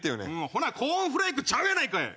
ほなコーンフレークちゃうやないかい！